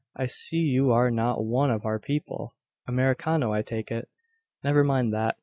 I see you are not one of our people. Americano, I take it. Never mind that.